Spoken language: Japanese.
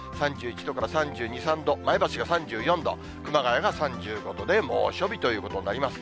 ３１度から３２、３度、前橋が３４度、熊谷が３５度で猛暑日ということになります。